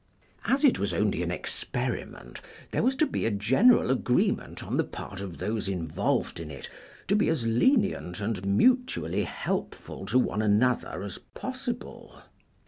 As it was only an experiment, there was to be a general agreement on the part of those involved in it to be as lenient and mutually helpful to one another as possible.